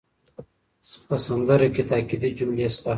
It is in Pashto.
په سندره کې تاکېدي جملې شته.